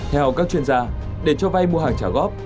theo các chuyên gia để cho vay mua hàng trả góp